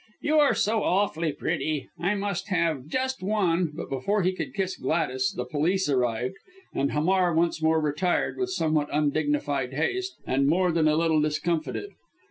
You are so awfully pretty! I must have just one " but before he could kiss Gladys the police arrived, and Hamar once more retired with somewhat undignified haste, and more than a little discomfited.